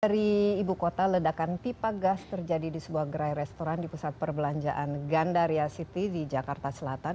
dari ibu kota ledakan pipa gas terjadi di sebuah gerai restoran di pusat perbelanjaan gandaria city di jakarta selatan